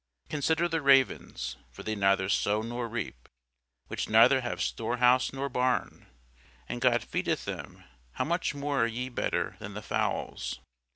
Consider the ravens: for they neither sow nor reap; which neither have storehouse nor barn; and God feedeth them: how much more are ye better than the fowls?